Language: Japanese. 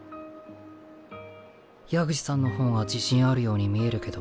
矢口さんの方が自信あるように見えるけど。